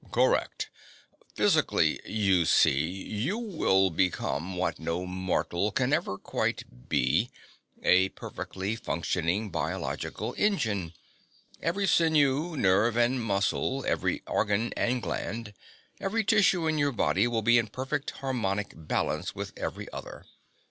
"Correct. Physically, you see, you will become what no mortal can ever quite be: a perfectly functioning biological engine. Every sinew, nerve and muscle, every organ and gland, every tissue in your body will be in perfect harmonic balance with every other.